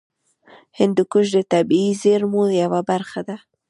هندوکش د طبیعي زیرمو یوه برخه ده.